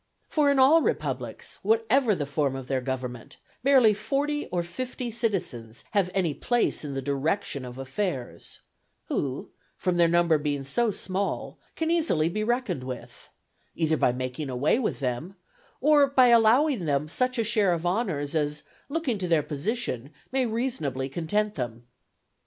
For in all republics, whatever the form of their government, barely forty or fifty citizens have any place in the direction of affairs; who, from their number being so small, can easily be reckoned with, either by making away with them, or by allowing them such a share of honours as, looking to their position, may reasonably content them.